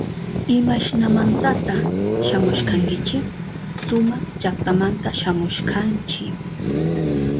¿Imashnamantata shamushkankichi? Suma llaktamanta shamushkanchi.